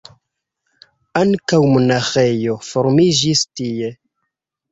Ankaŭ monaĥejo formiĝis tie.